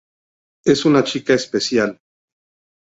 Es una chica especial.